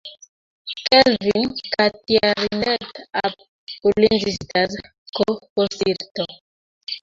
Kelvin katiarindet ab Ulinzi stars ko kosirto